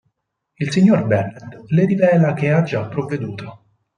Il signor Bennet le rivela che ha già provveduto.